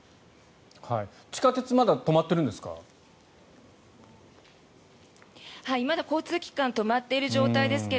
地下鉄まだ止まってるんですか？